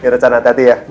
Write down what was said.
ya rancangan hati hati ya